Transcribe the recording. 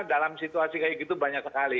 dalam situasi kayak gitu banyak sekali